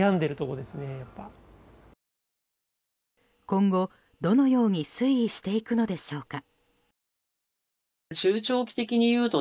今後、どのように推移していくのでしょうか。